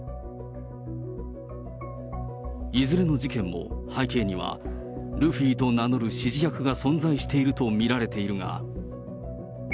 いずれの事件も、背景にはルフィと名乗る指示役が存在していると見られているが。